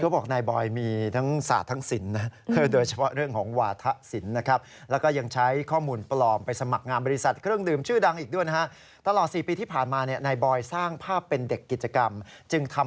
ก็บอกนายบอยมีทั้งศาสตร์ทั้งศิลป์นะ